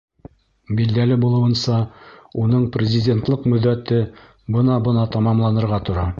Билдәле булыуынса, уның президентлыҡ мөҙҙәте бына-бына тамамланырға тора.